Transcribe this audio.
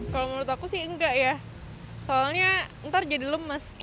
kalau menurut aku sih enggak ya soalnya ntar jadi lemes